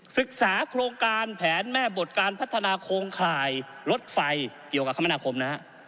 ศึกษาโครงการแผนแม่บทการพัฒนาโครงข่ายรถไฟเกี่ยวกับคมนาคมนะฮะ